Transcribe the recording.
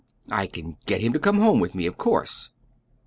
I can get him to come home with me, of course."